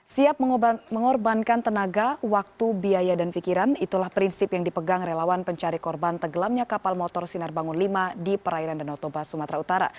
siap mengorbankan tenaga waktu biaya dan pikiran itulah prinsip yang dipegang relawan pencari korban tenggelamnya kapal motor sinar bangun v di perairan danau toba sumatera utara